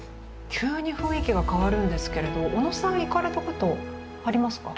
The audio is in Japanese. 急に雰囲気が変わるんですけれど小野さん行かれたことありますか？